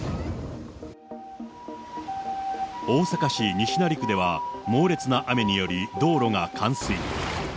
大阪市西成区では猛烈な雨により、道路が冠水。